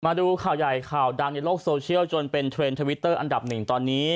มาดูข่าวใหญ่ข่าวดังในโลกโซเชียลจนเป็นเทรนด์ทวิตเตอร์อันดับหนึ่งตอนนี้